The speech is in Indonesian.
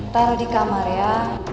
taruh di kamar ya